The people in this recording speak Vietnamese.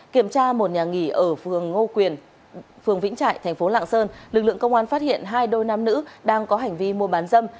kiểm tra một nhà nghỉ ở phường vĩnh trại tp lạng sơn lực lượng công an phát hiện hai đôi nam nữ đang có hành vi mua bán dâm